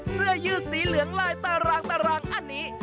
เสื้อยื่อสีเหลืองลายตารางอันนี้